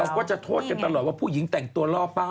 เขาก็จะโทษกันตลอดว่าผู้หญิงแต่งตัวล่อเป้า